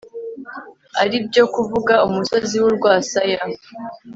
ari byo kuvuga umusozi w'urwasaya